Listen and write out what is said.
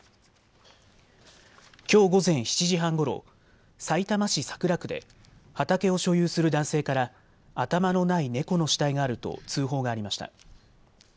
きょう午前７時半ごろさいたま市桜区で畑を所有する男性から頭のない猫の死体があると通報がありました。